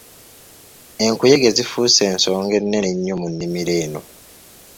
Enkuyege zifuuse ensonga ennene ennyo mu nnimiro eno.